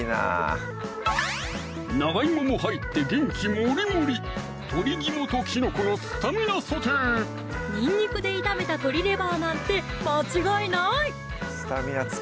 長いもも入って元気モリモリにんにくで炒めた鶏レバーなんて間違いない！